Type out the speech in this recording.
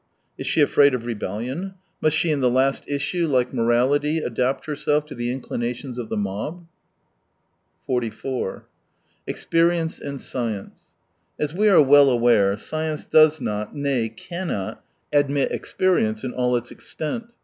Is she afraid of rebellion ? Must she in the last issue, like 92$ morality, adapt herself to the inclinations of the mob ? 44 Experience and Science. — As we are well aware, science does not, nay cannot, admit experience in all its extent.